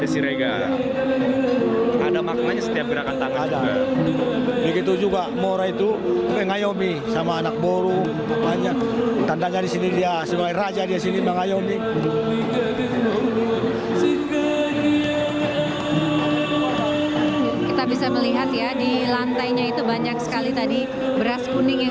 terhadap sebuah kemampuan yang berharga dan berharga yang berharga yang berharga yang berharga